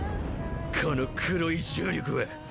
この黒い重力は。